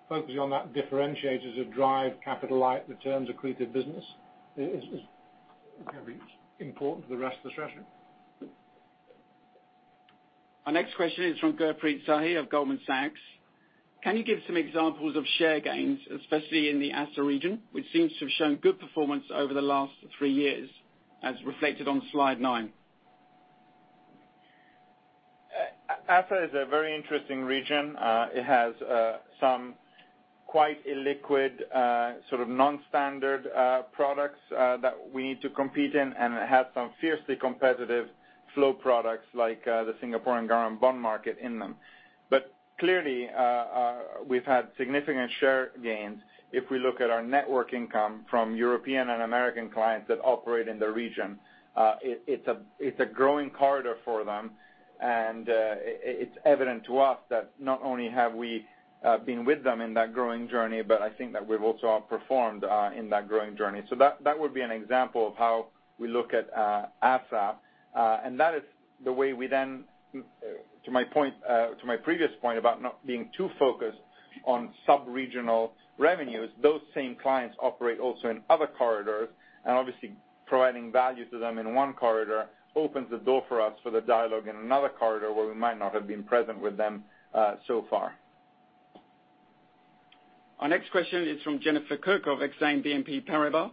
focusing on that differentiator to drive capital light returns accretive business is important to the rest of the strategy. Our next question is from Gurpreet Sahi of Goldman Sachs. Can you give some examples of share gains, especially in the ASA region, which seems to have shown good performance over the last three years, as reflected on slide nine? ASA is a very interesting region. It has some quite illiquid sort of non-standard products that we need to compete in, and it has some fiercely competitive flow products like the Singapore and Guam bond market in them. Clearly, we've had significant share gains if we look at our network income from European and American clients that operate in the region. It's a growing corridor for them, and it's evident to us that not only have we been with them in that growing journey, but I think that we've also outperformed in that growing journey. That would be an example of how we look at ASA. That is the way we then, to my previous point about not being too focused on sub-regional revenues, those same clients operate also in other corridors. Obviously providing value to them in one corridor opens the door for us for the dialogue in another corridor where we might not have been present with them so far. Our next question is from Jennifer Kirk of Exane BNP Paribas.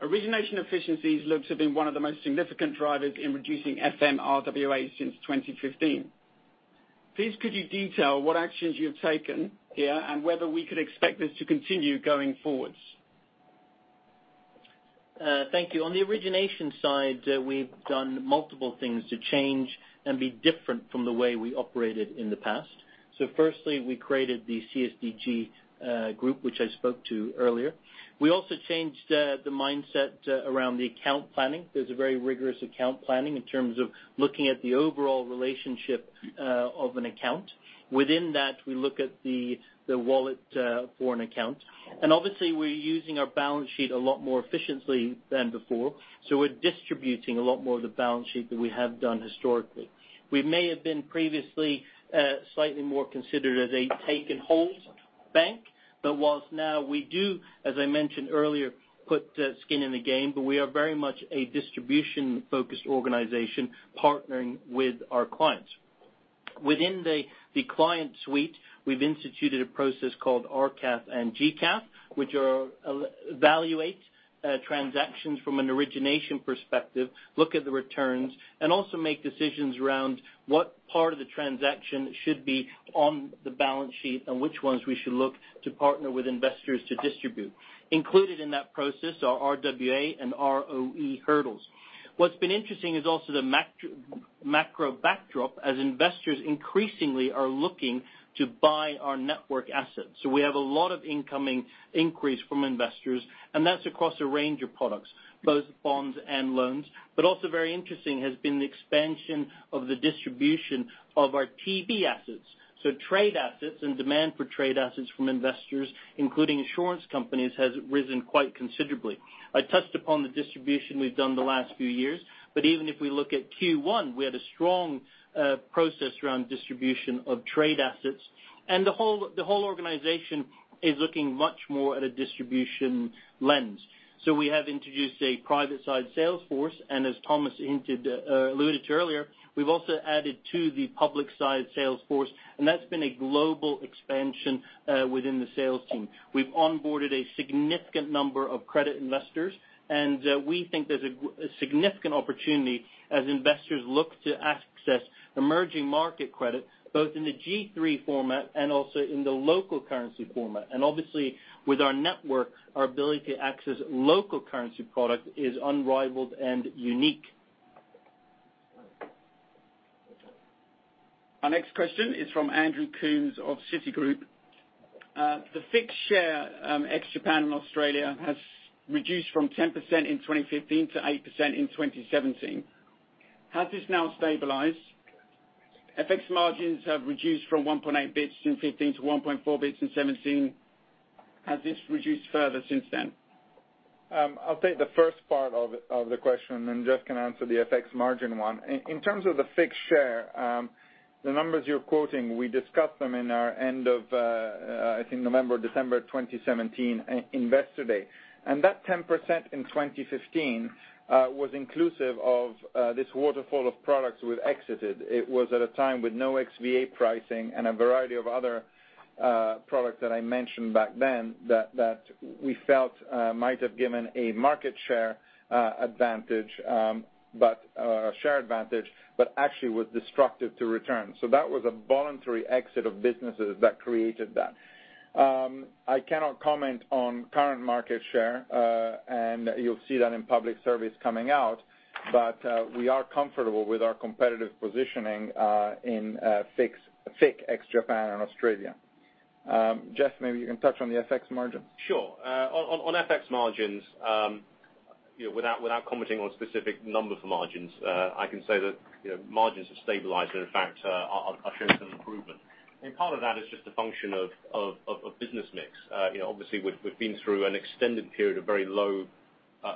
Origination efficiencies looks to have been one of the most significant drivers in reducing FM RWAs since 2015. Please could you detail what actions you have taken here, and whether we could expect this to continue going forwards? Thank you. On the origination side, we've done multiple things to change and be different from the way we operated in the past. Firstly, we created the CSDG group, which I spoke to earlier. We also changed the mindset around the account planning. There's a very rigorous account planning in terms of looking at the overall relationship of an account. Obviously we're using our balance sheet a lot more efficiently than before. We're distributing a lot more of the balance sheet than we have done historically. We may have been previously slightly more considered as a take and hold bank, but whilst now we do, as I mentioned earlier, put skin in the game, but we are very much a distribution-focused organization partnering with our clients. Within the client suite, we've instituted a process called RCAP and GCAP, which evaluate transactions from an origination perspective, look at the returns, and also make decisions around what part of the transaction should be on the balance sheet and which ones we should look to partner with investors to distribute. Included in that process are RWA and ROE hurdles. What's been interesting is also the macro backdrop as investors increasingly are looking to buy our network assets. We have a lot of incoming increase from investors, and that's across a range of products, both bonds and loans. Also very interesting has been the expansion of the distribution of our TB assets. Trade assets and demand for trade assets from investors, including insurance companies, has risen quite considerably. I touched upon the distribution we've done the last few years. Even if we look at Q1, we had a strong process around distribution of trade assets. The whole organization is looking much more at a distribution lens. We have introduced a private side sales force. As Thomas alluded to earlier, we've also added to the public side sales force. That's been a global expansion within the sales team. We've onboarded a significant number of credit investors, and we think there's a significant opportunity as investors look to access emerging market credit, both in the G3 format and also in the local currency format. Obviously with our network, our ability to access local currency product is unrivaled and unique. Our next question is from Andrew Coombs of Citigroup. The FICC share ex-Japan and Australia has reduced from 10% in 2015 to 8% in 2017. Has this now stabilized? FX margins have reduced from 1.8 bips in 2015 to 1.4 bips in 2017. Has this reduced further since then? I'll take the first part of the question, then Jeff can answer the FX margin one. In terms of the fixed share, the numbers you're quoting, we discussed them in our end of, I think November, December 2017 Investor Day. That 10% in 2015 was inclusive of this waterfall of products we've exited. It was at a time with no XVA pricing and a variety of other products that I mentioned back then that we felt might have given a market share advantage actually was destructive to return. That was a voluntary exit of businesses that created that. I cannot comment on current market share, and you'll see that in public surveys coming out, but we are comfortable with our competitive positioning in FIC ex-Japan and Australia. Jeff, maybe you can touch on the FX margin. Sure. On FX margins, without commenting on specific numbers for margins, I can say that margins have stabilized. In fact, I've shown some improvement. Part of that is just a function of business mix. Obviously, we've been through an extended period of very low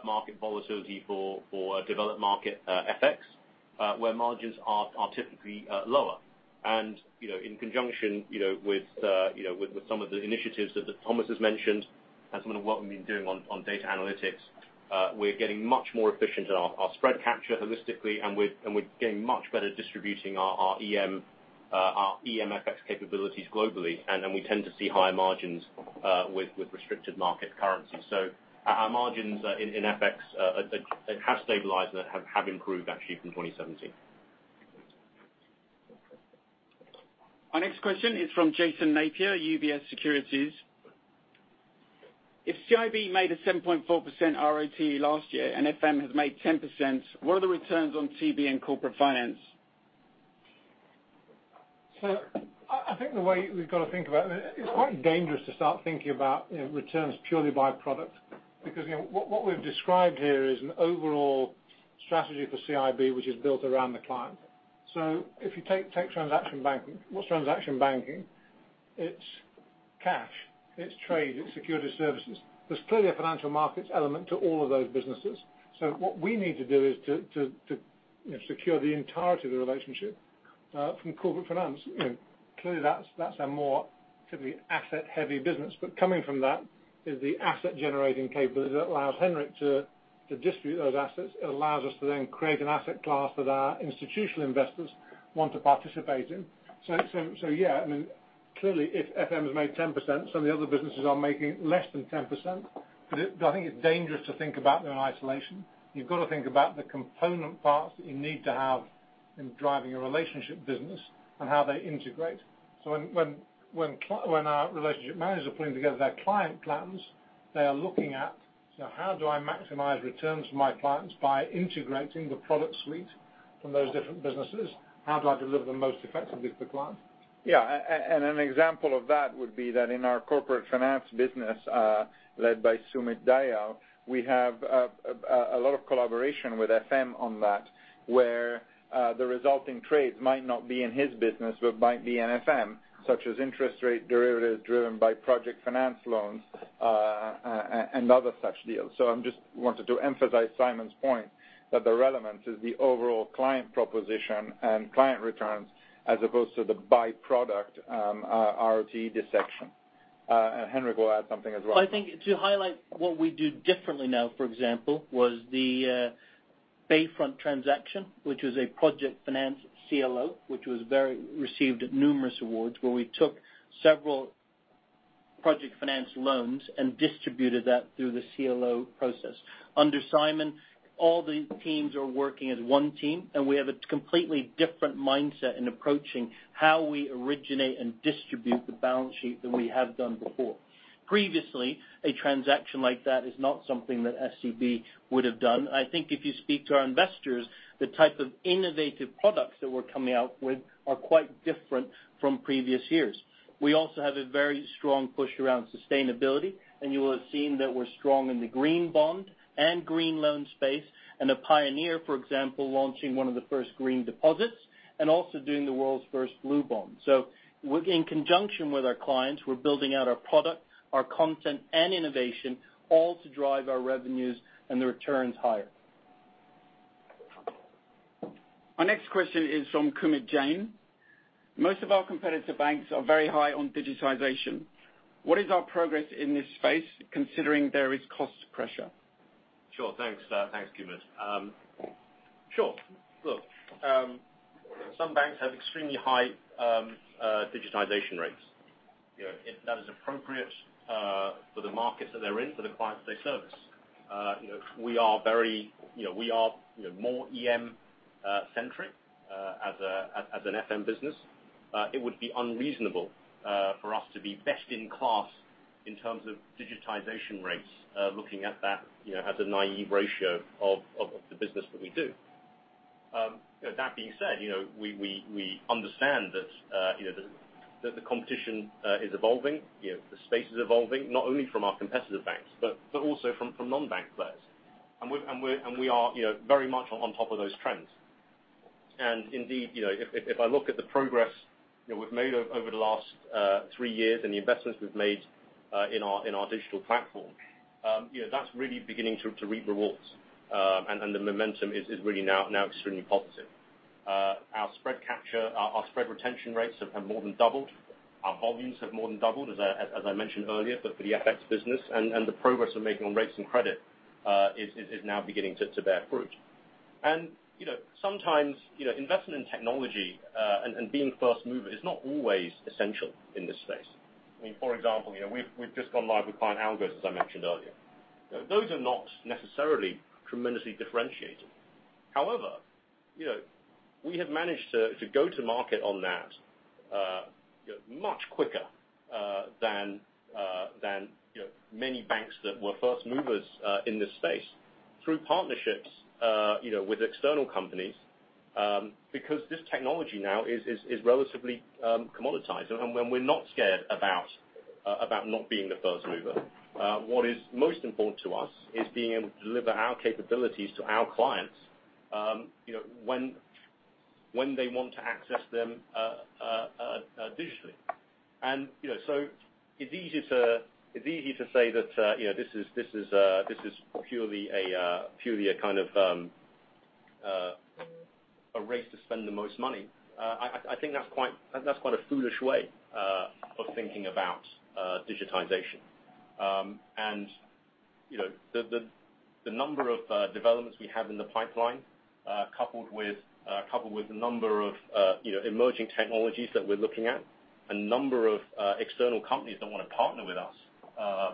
market volatility for developed market FX, where margins are typically lower. In conjunction with some of the initiatives that Thomas has mentioned and some of what we've been doing on data analytics, we're getting much more efficient in our spread capture holistically, and we're getting much better at distributing our EM FX capabilities globally. We tend to see higher margins with restricted market currency. Our margins in FX have stabilized and have improved actually from 2017. Our next question is from Jason Napier, UBS Securities. If CIB made a 7.4% ROT last year and FM has made 10%, what are the returns on CB and Corporate Finance? I think the way we've got to think about it's quite dangerous to start thinking about returns purely by product. What we've described here is an overall strategy for CIB, which is built around the client. If you take transaction banking, what's transaction banking? It's cash, it's trade, it's security services. There's clearly a financial markets element to all of those businesses. What we need to do is to secure the entirety of the relationship from corporate finance. Clearly that's a more typically asset-heavy business. Coming from that is the asset-generating capability that allows Henrik to distribute those assets. It allows us to then create an asset class that our institutional investors want to participate in. Yeah, clearly if FM has made 10%, some of the other businesses are making less than 10%, but I think it's dangerous to think about them in isolation. You've got to think about the component parts that you need to have in driving a relationship business and how they integrate. When our relationship managers are putting together their client plans- They are looking at how do I maximize returns for my clients by integrating the product suite from those different businesses? How do I deliver the most effectively for clients? Yeah. An example of that would be that in our corporate finance business, led by Sumit Dayal, we have a lot of collaboration with FM on that, where the resulting trades might not be in his business, but might be in FM, such as interest rate derivatives driven by project finance loans, and other such deals. I just wanted to emphasize Simon's point, that the relevance is the overall client proposition and client returns as opposed to the by-product, RoTE dissection. Henrik will add something as well. I think to highlight what we do differently now, for example, was the Bayfront transaction, which was a project finance CLO, which received numerous awards, where we took several project finance loans and distributed that through the CLO process. Under Simon, all the teams are working as one team, and we have a completely different mindset in approaching how we originate and distribute the balance sheet than we have done before. Previously, a transaction like that is not something that SCB would have done. I think if you speak to our investors, the type of innovative products that we're coming out with are quite different from previous years. We also have a very strong push around sustainability, and you will have seen that we're strong in the green bond and green loan space, and a pioneer, for example, launching one of the first green deposits, and also doing the world's first Blue Bond. In conjunction with our clients, we're building out our product, our content, and innovation, all to drive our revenues and the returns higher. Our next question is from Kunal Jain. Most of our competitor banks are very high on digitization. What is our progress in this space, considering there is cost pressure? Sure. Thanks, Kunal. Sure. Look, some banks have extremely high digitization rates. If that is appropriate for the markets that they're in, for the clients that they service. We are more EM centric as an FM business. It would be unreasonable for us to be best in class in terms of digitization rates, looking at that as a naive ratio of the business that we do. That being said, we understand that the competition is evolving. The space is evolving, not only from our competitor banks, but also from non-bank players. Indeed, if I look at the progress we've made over the last 3 years and the investments we've made in our digital platform, that's really beginning to reap rewards. The momentum is really now extremely positive. Our spread capture, our spread retention rates have more than doubled. Our volumes have more than doubled, as I mentioned earlier, for the FX business. The progress we're making on rates and credit is now beginning to bear fruit. Sometimes, investment in technology and being first mover is not always essential in this space. For example, we've just gone live with client algos, as I mentioned earlier. Those are not necessarily tremendously differentiating. However, we have managed to go to market on that much quicker than many banks that were first movers in this space through partnerships with external companies, because this technology now is relatively commoditized. We're not scared about not being the first mover. What is most important to us is being able to deliver our capabilities to our clients when they want to access them digitally. It's easy to say that this is purely a kind of race to spend the most money. I think that's quite a foolish way of thinking about digitization. The number of developments we have in the pipeline, coupled with the number of emerging technologies that we're looking at, a number of external companies that want to partner with us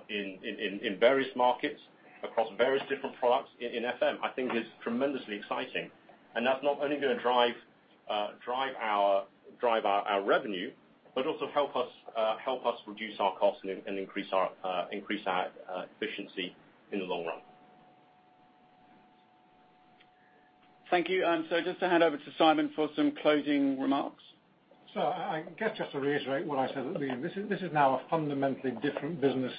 in various markets across various different products in FM, I think is tremendously exciting. That's not only going to drive our revenue, but also help us reduce our costs and increase our efficiency in the long run. Thank you. Just to hand over to Simon for some closing remarks. I guess just to reiterate what I said at the beginning, this is now a fundamentally different business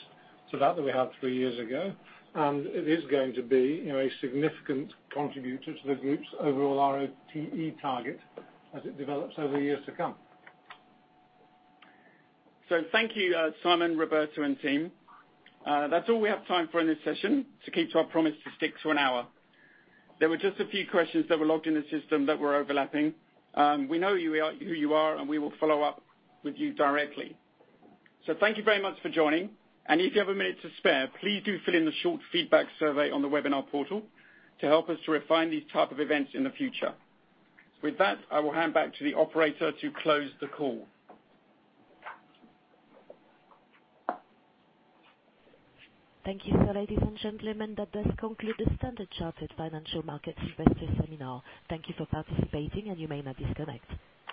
to that that we had three years ago. It is going to be a significant contributor to the group's overall RoTE target as it develops over years to come. Thank you, Simon, Roberto, and team. That's all we have time for in this session to keep to our promise to stick to an hour. There were just a few questions that were logged in the system that were overlapping. We know who you are, and we will follow up with you directly. Thank you very much for joining. If you have a minute to spare, please do fill in the short feedback survey on the webinar portal to help us to refine these type of events in the future. With that, I will hand back to the operator to close the call. Thank you, sir. Ladies and gentlemen, that does conclude the Standard Chartered Financial Markets Investor Seminar. Thank you for participating, and you may now disconnect.